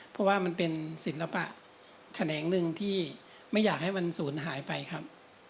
เพราะว่ามันเป็นศิลปะแขนงหนึ่งที่ไม่อยากให้มันศูนย์หายไปครับ